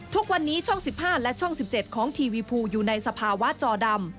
ทุกวันนี้ช่อง๑๕และช่อง๑๗ของทีวีภูอยู่ในสภาวะจอดำ